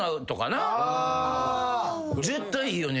絶対いいよね。